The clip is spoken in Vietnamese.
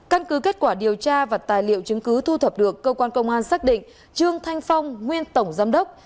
căn cứ kết quả điều tra và tài liệu chứng cứ thu thập được cơ quan công an xác định trương thanh phong nguyên tổng giám đốc